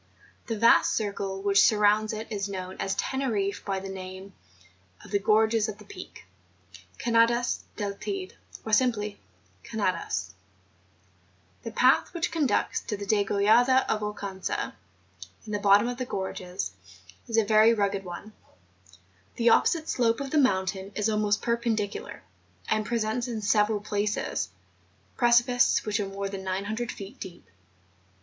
The vast circle which surrounds it is known at Tenerifie by the name of the gorges of the Peak, {Canadas del Teyde, or simply Canadas), The path which conducts to the Degollada of Oucanca, in the bottom of the gorges, is a very rugged one; the opposite slope of the mountain is almost perpendicular, and presents, in several places, precipices which are more than 900 feet deep.